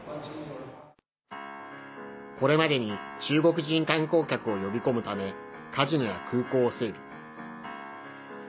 これまでに中国人観光客を呼び込むためカジノや空港を整備。